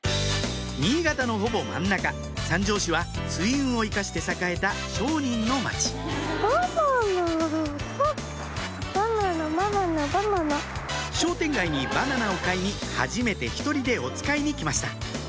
新潟のほぼ真ん中三条市は水運を生かして栄えた商人の町商店街にバナナを買いにはじめて１人でおつかいに来ました